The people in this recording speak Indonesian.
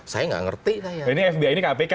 saya nggak ngerti ini fbi ini kpk